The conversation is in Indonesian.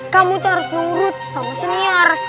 kamu tuh harus nurut sama senior